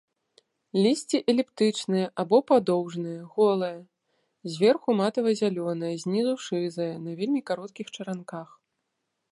Лісце эліптычнае або падоўжнае, голае, зверху матава-зялёнае, знізу шызае, на вельмі кароткіх чаранках.